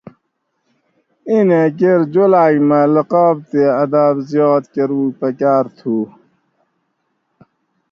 اینیں کیر جولاگ مئی القاب تے آداب زیاد کۤروگ پکاۤر تُھو